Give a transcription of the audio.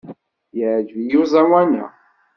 Yeɛjeb-iyi uẓawan-a.